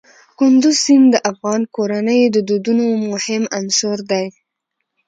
کندز سیند د افغان کورنیو د دودونو مهم عنصر دی.